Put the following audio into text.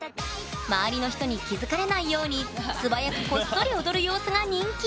周りの人に気付かれないように素早くこっそり踊る様子が人気！